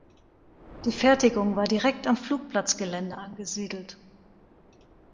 Die Fertigung war direkt am Flugplatzgelände angesiedelt.